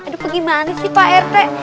aduh gimana sih pak rt